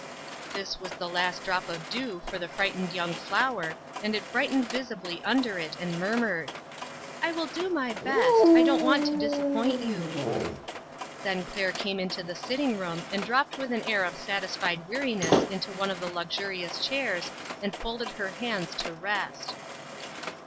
This was the last drop of dew for the frightened young flower, and it brightened visibly under it, and murmured: " I will do my best ; I don't want to dis appoint you." Then Claire came into the sitting room, and dropped with an air of satisfied weari ness into one of the luxurious chairs, and folded her hands to rest.